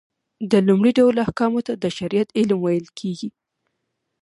د لومړي ډول احکامو ته د شريعت علم ويل کېږي .